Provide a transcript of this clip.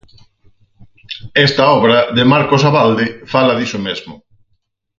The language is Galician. Esta obra, de Marcos Abalde, fala diso mesmo.